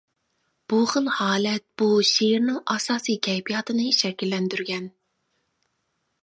بۇ خىل ھالەت بۇ شېئىرنىڭ ئاساسىي كەيپىياتىنى شەكىللەندۈرگەن.